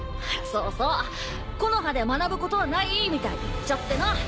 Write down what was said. そうそう木ノ葉で学ぶことはないみたいに言っちゃってな。